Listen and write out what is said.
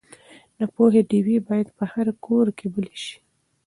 د پوهې ډیوې باید په هر کور کې بلې شي.